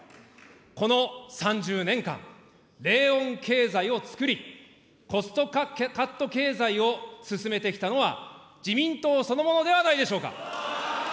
この３０年間、れいおん経済をつくり、コストカット経済を進めてきたのは、自民党そのものではないでしょうか。